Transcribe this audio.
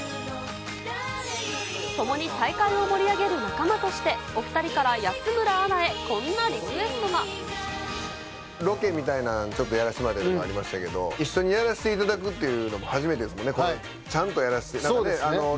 共に大会を盛り上げる仲間として、お２人から安村アナへこんなリクロケみたいなん、ちょっとやらせてもらいましたけれども、一緒にやらせていただくというのも初めてで、ちゃんとやらせていただくのは。